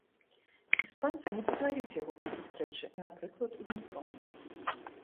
Іспанцы не пазнаюць яго пры сустрэчы, напрыклад, у метро.